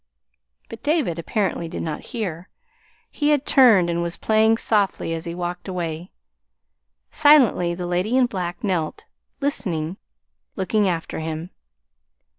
But David apparently did not hear. He had turned and was playing softly as he walked away. Silently the Lady in Black knelt, listening, looking after him.